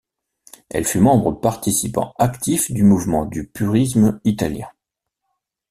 Elle fut membre participant actif du mouvement du purisme italien.